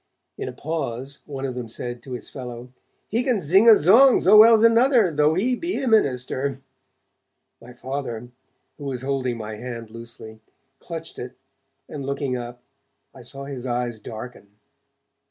In a pause, one of them said to his fellow: 'He can zing a zong, zo well's another, though he be a minister.' My Father, who was holding my hand loosely, clutched it, and looking up, I saw his eyes darken.